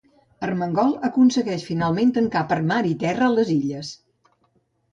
Armengol aconsegueix finalment tancar per mar i terra les Illes.